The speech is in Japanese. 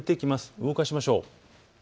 動かしましょう。